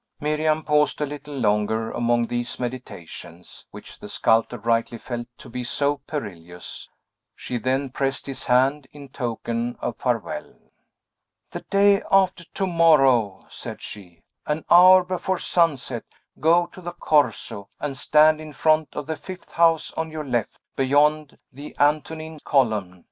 Miriam paused a little longer among these meditations, which the sculptor rightly felt to be so perilous; she then pressed his hand, in token of farewell. "The day after to morrow," said she, "an hour before sunset, go to the Corso, and stand in front of the fifth house on your left, beyond the Antonine column.